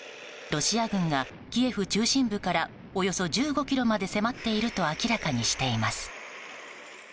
ロシア軍がキエフ中心部からおよそ１５ｋｍまで迫っていると明らかにしています。